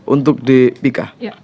untuk di pika